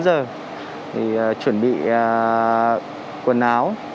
thì chuẩn bị quần áo